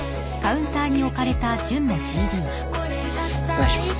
お願いします。